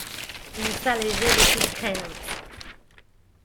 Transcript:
Il s'allégeait de toutes craintes.